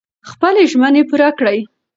خپلې ژمنې پوره کړئ.